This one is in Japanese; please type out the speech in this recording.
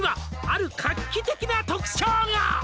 「ある画期的な特徴が！」